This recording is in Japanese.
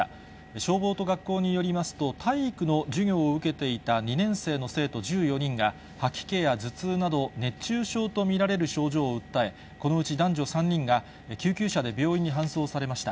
消防と学校によりますと、体育の授業を受けていた２年生の生徒１４人が、吐き気や頭痛など、熱中症と見られる症状を訴え、このうち男女３人が救急車で病院に搬送されました。